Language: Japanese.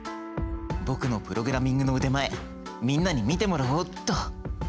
「僕のプログラミングの腕前みんなに見てもらおうっと」。